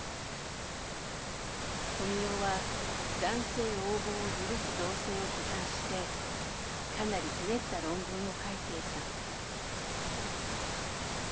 「文緒は『男性横暴を許す同性』を批判してかなりひねった論文を書いていた。